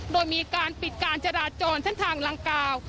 โดยมีการปิดการจราจรเส้นทางลังกาว